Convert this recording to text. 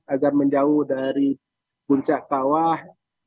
agar menjauh dari puncak kawah